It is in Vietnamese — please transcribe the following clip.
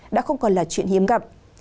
đã không còn là chuyện hiếm gặp